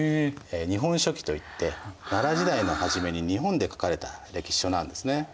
「日本書紀」といって奈良時代の初めに日本で書かれた歴史書なんですね。